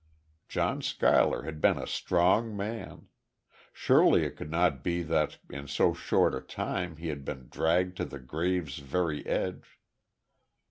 John Schuyler had been a strong man. Surely it could not be that in so short a time he had been dragged to the grave's very edge.